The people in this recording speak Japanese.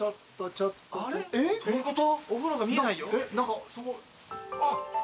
どういうこと？